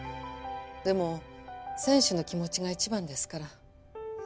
でも選手の気持ちが一番ですから。